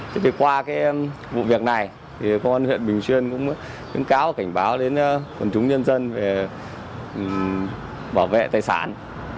thế thì qua cái vụ việc này thì công an huyện bình xuyên cũng khuyến cáo cảnh báo đến quần chúng nhân dân về bảo vệ tài sản